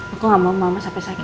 aku nggak mau mama sampai sakit